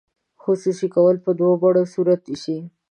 خصوصي کول په دوه بڼو صورت نیسي.